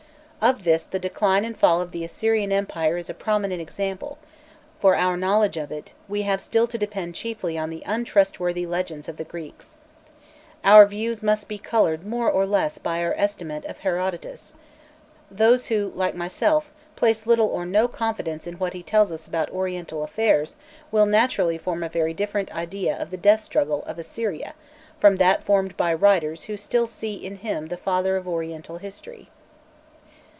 Of this the decline and fall of the Assyrian empire is a prominent example; for our knowledge of it, we have still to depend chiefly on the untrustworthy legends of the Greeks. Our views must be coloured more or less by our estimate of Herodotos; those who, like myself, place little or no confidence in what he tells us about Oriental affairs will naturally form a very different idea of the death struggle, of Assyria from that formed by writers who still see in him the Father of Oriental History.